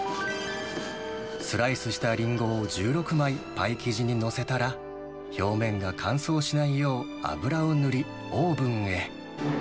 スライスしたリンゴを１６枚、パイ生地に載せたら、表面が乾燥しないよう油を塗り、オーブンへ。